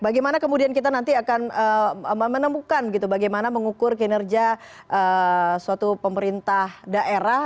bagaimana kemudian kita nanti akan menemukan gitu bagaimana mengukur kinerja suatu pemerintah daerah